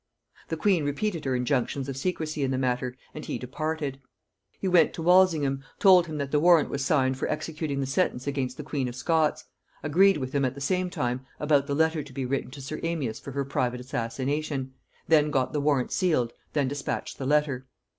The queen repeated her injunctions of secrecy in the matter, and he departed. He went to Walsingham, told him that the warrant was signed for executing the sentence against the queen of Scots; agreed with him at the same time about the letter to be written to sir Amias for her private assassination; then got the warrant sealed, then dispatched the letter.